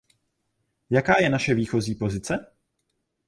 Jaká je naše výchozí pozice?